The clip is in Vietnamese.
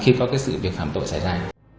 khi có cái sự việc phạm tội xảy ra